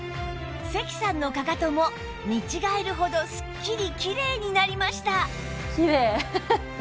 関さんのかかとも見違えるほどすっきりきれいになりました